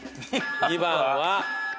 ２番は。